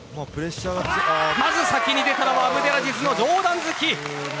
まず先に出たのはアブデラジズの上段突き。